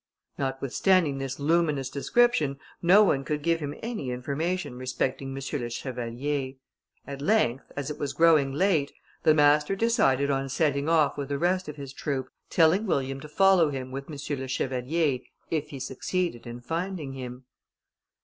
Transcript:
Notwithstanding this luminous description, no one could give him any information respecting M. le Chevalier. At length, as it was growing late, the master decided on setting off with the rest of his troop, telling William to follow him with M. le Chevalier, if he succeeded in finding him.